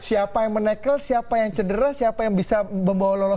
siapa yang menekel siapa yang cedera siapa yang bisa membawa lolos